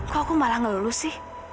kok aku malah ngeluh sih